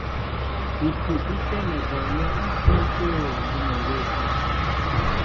Ipʉ í tɛ́mɛ bɔɔnɛ́ ibû tə̂ ngʉ́mengeŋ.